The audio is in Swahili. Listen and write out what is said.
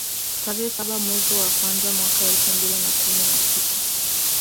tarehe saba mwezi wa kwanza mwaka elfu mbili na kumi na sita